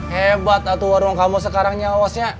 hebat warung kamu sekarang ya wasnya